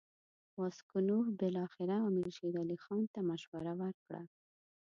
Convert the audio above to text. راسګونوف بالاخره امیر شېر علي خان ته مشوره ورکړه.